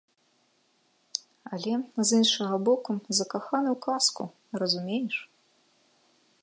Але, з іншага боку, закаханы ў казку, разумееш?